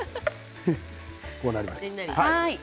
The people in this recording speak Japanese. こうなりました。